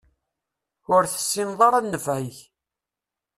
Ur tessineḍ ara nnfeɛ-ik.